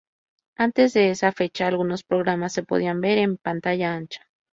Antes de esa fecha, algunos programas se podían ver en pantalla ancha.